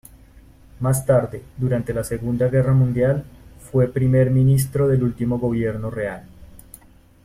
Más tarde, durante la Segunda Guerra Mundial, fue primer ministro del último gobierno real.